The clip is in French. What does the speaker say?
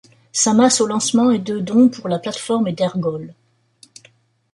Sa masse au lancement est de dont pour la plateforme et d'ergols.